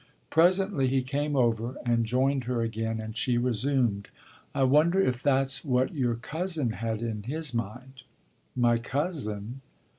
Presently he came over and joined her again and she resumed: "I wonder if that's what your cousin had in his mind." "My cousin